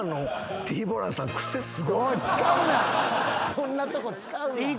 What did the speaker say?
こんなとこ使うな。